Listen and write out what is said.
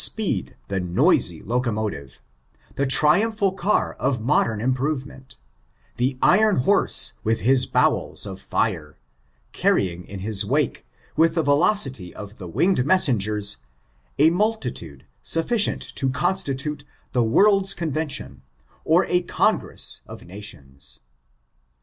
489 speeds the noisy locomotiye, the trniniphal car of modern improvement, the iron horse witli his bowels of fire, carrying in his wake, with the velocity of the winged messengers, a multitude sufficient to con* stitute the world's convention, or a congress of nations.